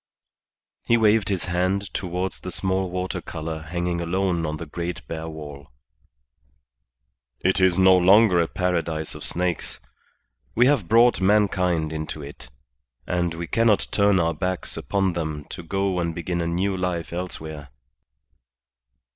He waved his hand towards the small water colour hanging alone upon the great bare wall. "It is no longer a Paradise of snakes. We have brought mankind into it, and we cannot turn our backs upon them to go and begin a new life elsewhere."